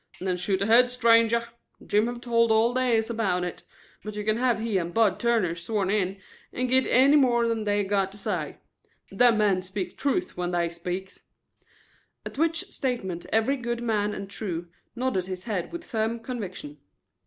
"Then shoot ahead, stranger. Jim have told all they is about it, but you can have Hi and Bud Turner sworn in and git any more they have got to say. Them men speaks truth when they speaks." At which statement every good man and true nodded his head with firm conviction.